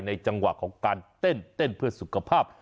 จังหวะของการเต้นเพื่อสุขภาพ